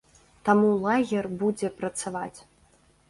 Таму лагер будзе працаваць.